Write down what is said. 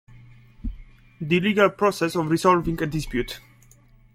The legal process of resolving a dispute.